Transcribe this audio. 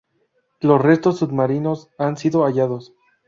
Los restos submarinos han sido hallados.